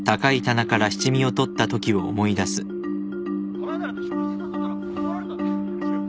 この間なんて食事誘ったら断られたんですよ。